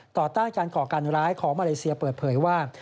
ต้านการก่อการร้ายของมาเลเซียเปิดเผยว่า